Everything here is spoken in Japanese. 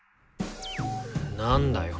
なんだよ。